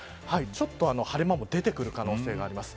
ちょっと晴れ間も出てくる可能性があります。